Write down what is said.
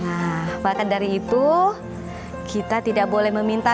nah bahkan dari itu kita tidak boleh meminta